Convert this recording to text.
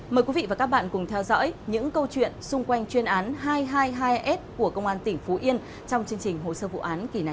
mời quý vị và các bạn cùng theo dõi những câu chuyện xung quanh chuyên án hai trăm hai mươi hai s của công an tỉnh phú yên trong chương trình hồ sơ vụ án kỳ này